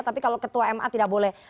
tapi kalau ketua ma tidak boleh